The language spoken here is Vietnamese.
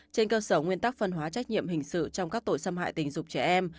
trên cơ sở nguyên tắc phân hóa trách nhiệm hình sự trong các tội xâm hại tình dục trẻ em